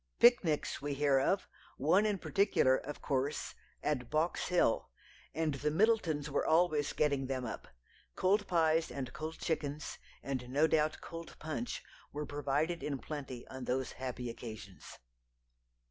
Picnics we hear of one in particular, of course, at Box Hill and the Middletons were always getting them up. Cold pies and cold chickens, and no doubt cold punch, were provided in plenty on those happy occasions.